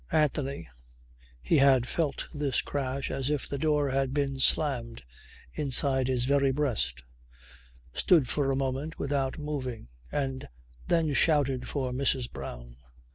Anthony he had felt this crash as if the door had been slammed inside his very breast stood for a moment without moving and then shouted for Mrs. Brown.